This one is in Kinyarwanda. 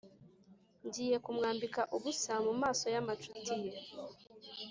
ngiye kumwambika ubusa mu maso y’amacuti ye,